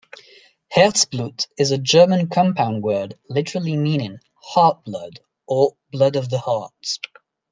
"Herzblut" is a German compound word literally meaning "heart-blood" or "blood of the heart".